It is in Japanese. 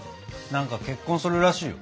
何か結婚するらしいよ。